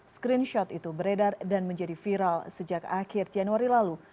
screenshot itu beredar dan menjadi viral sejak akhir januari lalu